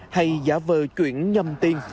hay giả vờ chuyển nhầm tiền